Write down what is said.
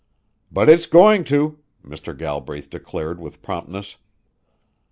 "But it is going to," Mr. Galbraith declared with promptness.